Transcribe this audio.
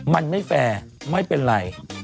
มันไม่แฟร์ไม่เป็นไร